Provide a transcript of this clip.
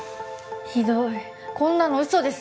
ひどいこんなのうそです。